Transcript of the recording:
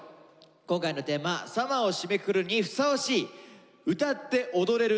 今回のテーマ「ＳＵＭＭＥＲ」を締めくくるにふさわしい歌って踊れる